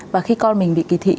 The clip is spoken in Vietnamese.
và khi con mình bị kỳ thị